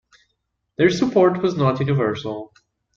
Their support was not universal.